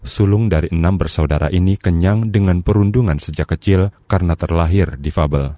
sulung dari enam bersaudara ini kenyang dengan perundungan sejak kecil karena terlahir di fabel